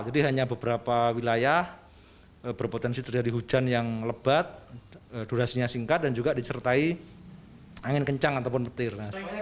jadi hanya beberapa wilayah berpotensi terjadi hujan yang lebat durasinya singkat dan juga disertai angin kencang ataupun petir